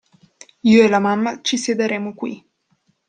Io e la mamma ci siederemo qui.